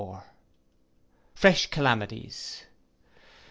Fresh calamities.